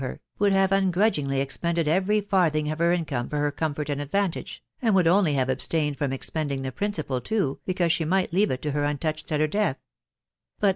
her, would have ungrudgingly expended every farfhmgj o£ her income for her comfort and advantage* and would only have abstained from expending the principal toe, because, she might leave itto her untouched at her death* But